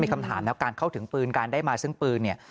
คำถามแล้วการเข้าถึงปืนการได้มาซึ่งปืนเนี่ย